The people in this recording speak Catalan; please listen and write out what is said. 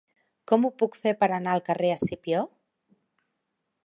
Com ho puc fer per anar al carrer d'Escipió?